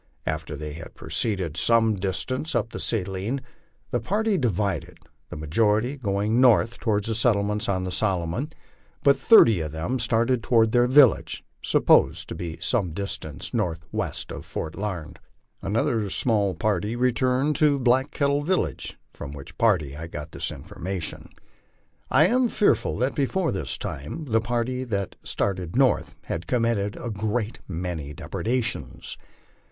After they had proceeded some distance up the Saline, the party divided, the majority going north toward the settlements on the Solomon, but thirty of them started toward their village, supposed to be some distance northwest of Fort Lamed. Another small party returned to Slack Kettle's village, from which party I got this information.! I am fearful that before this time the party that started north had committed a great many depredations.